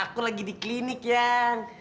aku lagi di klinik yang